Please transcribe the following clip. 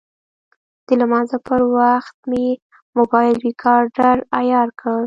د لمانځه پر وخت مې موبایل ریکاډر عیار کړ.